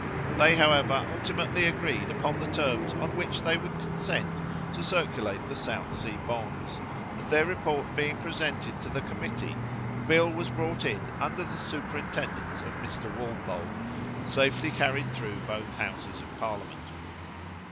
They, however, ultimately agreed upon the terms on which they would consent to circulate the South Sea bonds, and their report being presented to the committee, a bill was brought in under the superintendence of Mr. Walpole, and safely carried through both Houses of Parliament.